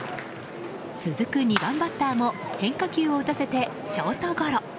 続く２番バッターも変化球を打たせてショートゴロ。